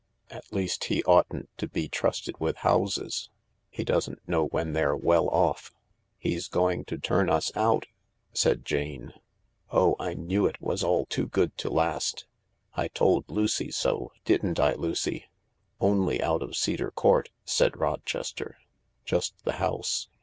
At least, he oughtn't to be trusted with houses — he doesn't know when they're well off." " He's going to turn us out," said Jane. " Oh, I knew it was all too good to last. I told Lucy so — didn't I, Lucy ?"" Only out of Cedar Court," said Rochester. " Just the house.